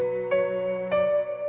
apa sudah ngasih tanda